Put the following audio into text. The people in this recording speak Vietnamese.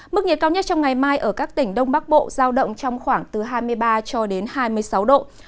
mức nhiệt cao nhất trong ngày mai ở các tỉnh đông bắc bộ giao động trong khoảng từ hai mươi ba cho đến hai mươi sáu độ